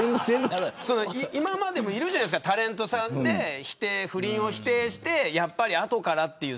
今までもいるじゃないですかタレントさんで不倫を否定してやっぱり後からという。